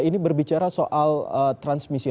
ini berbicara soal transmisi